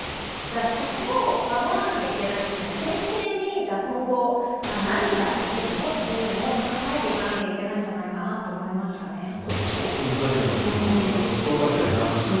そこを守らないといけないというのを前提に今後、何ができるのというのを考えていかなきゃいけないんじゃないかなとこれは相当難しいと思いますけどストーカー被害をなくす。